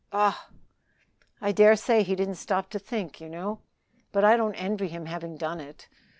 "Ah!" "I dare say he didn't stop to think, you know; but I don't envy him having done it.